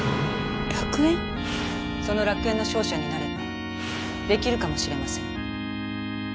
その楽園の勝者になればできるかもしれません。